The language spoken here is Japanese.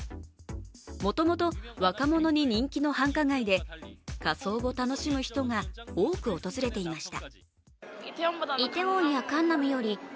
もともと若者に人気の繁華街で仮装を楽しむ人が多く訪れていました。